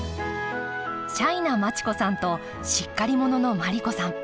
シャイな町子さんとしっかり者の毬子さん。